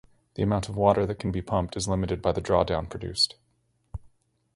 The amount of water that can be pumped is limited by the drawdown produced.